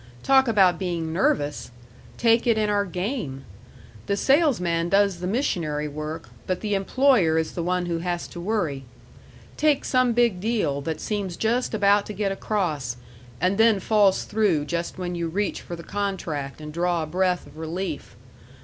Talk about being nervous! Take it in our game. The salesman does the missionary work, but the employer is the one who has to worry. Take some big deal that seems just about to get across and then falls through just when you reach for the contract and draw a breath of relief.